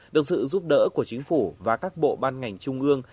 được sự giúp đỡ của chính phủ và các bộ ban ngành trung ương